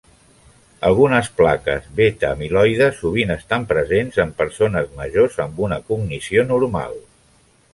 Algunes plaques beta-amiloide sovint estan presents en persones majors amb una cognició normal.